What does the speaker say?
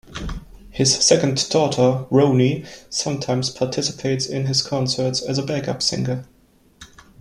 His second daughter, Roni, sometimes participates in his concerts as a backup singer.